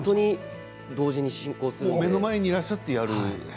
目の前にいらっしゃってやる。